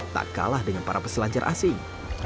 tak kalah dengan para peselancar asing